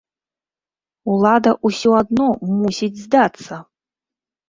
Улада ўсё адно мусіць здацца!